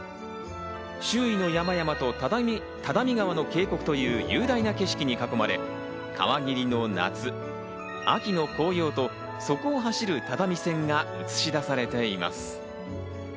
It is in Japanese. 周囲の山々と只見川の渓谷という雄大な景色に囲まれ、川霧の夏、秋の紅葉と、そこを走る只見線が映し出されています。